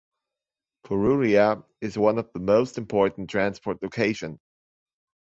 Purulia is one of the most important transport location.